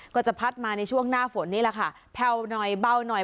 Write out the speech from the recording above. ก็จะพัดมาในช่วงหน้าฝนนี่แหละค่ะแผ่วหน่อยเบาหน่อย